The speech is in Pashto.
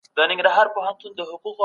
د بیان ازادي په ډیرو برخو کي کنټرول کیږي.